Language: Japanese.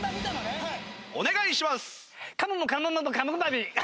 お願いします。